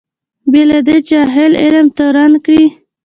بې له دې چې اهل علم تورن کړي.